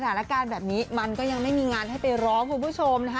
สถานการณ์แบบนี้มันก็ยังไม่มีงานให้ไปร้องคุณผู้ชมนะคะ